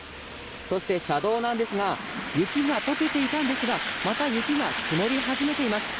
そして車道なんですが、雪が解けいたんですが、また雪が積もり始めています。